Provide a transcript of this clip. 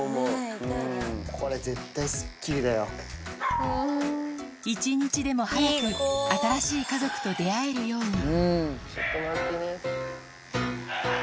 これ、一日でも早く新しい家族と出会えるように。